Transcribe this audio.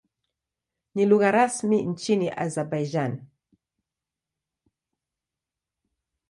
Ni lugha rasmi nchini Azerbaijan.